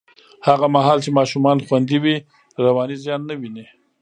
هغه مهال چې ماشومان خوندي وي، رواني زیان نه ویني.